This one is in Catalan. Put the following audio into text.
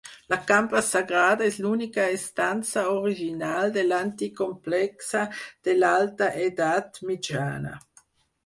La Cambra sagrada és l'única estança original de l'antic complexe de l'alta edat mitjana.